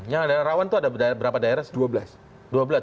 yang daerah rawan itu ada berapa daerah